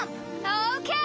オッケー。